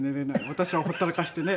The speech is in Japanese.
私はほったらかしてね